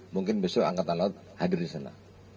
mungkin besok angkatan laut hadir disana